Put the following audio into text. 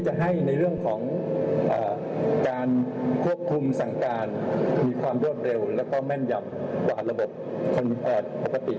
และแม่นยำกว่าระบบคนประติ